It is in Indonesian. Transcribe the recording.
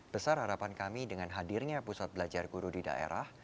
besar harapan kami dengan hadirnya pusat belajar guru di daerah